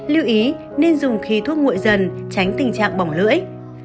lưu ý nên dùng khí thuốc nguội dần tránh tình trạng bỏng lưỡi